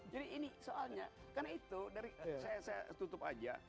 jadi ini soalnya karena itu dari saya tutup aja